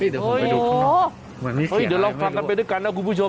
พี่เดี๋ยวผมไปดูข้างนอกเฮ้ยเดี๋ยวเราฟังกันไปด้วยกันนะคุณผู้ชม